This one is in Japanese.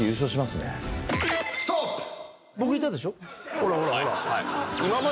ほらほらほら。